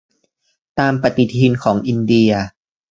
ตามปฏิทินของอินเดีย